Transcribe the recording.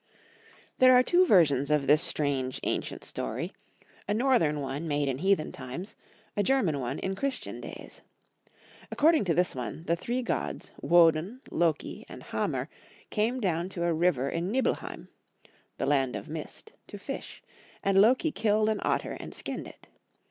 'TT^HERE are two versions of this strange *• ancient story — a northern one made in heathen times, a German one in Christian days. According to this one, the three gods, Woden, Loki, and Hamer, came down to a river in Nibel heim — the land of mist — to fish; and Loki killed an otter and sldnned it.